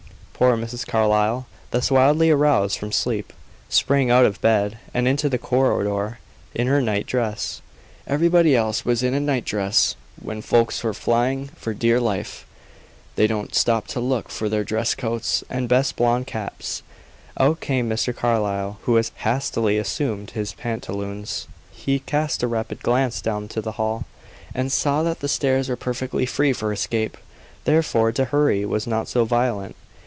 Poor Mrs. Carlyle, thus wildly aroused from sleep, sprang out of bed and into the corridor in her night dress. Everybody else was in a night dress when folks are flying for dear life, they don't stop to look for their dress coats and best blonde caps. Out came Mr. Carlyle, who had hastily assumed his pantaloons. He cast a rapid glance down to the hall, and saw that the stairs were perfectly free for escape; therefore to hurry was not so violent.